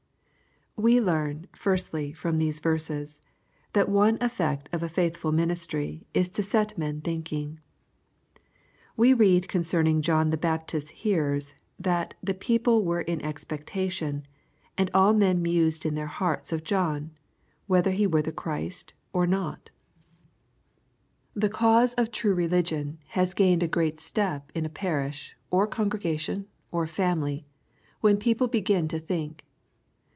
We learn, firstly, from these verses, that one effect of a faithful ministry is to set men thinking. We read con cerning John the Baptist's hearers, that "the people were in expectation, and all men mused in their hearts of John, whether he were the Christ, or not/' LUKE, CHAP. in. 95 The cause of tnie religion has gained a gieat step in a parish, or congregation, or family, when people begin to think.